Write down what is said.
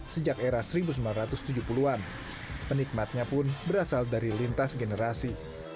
sejak era seribu sembilan ratus tujuh puluh an penikmatnya pun berasal dari lintas generasi